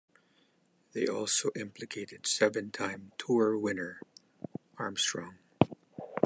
They also implicated seven-time Tour winner Armstrong.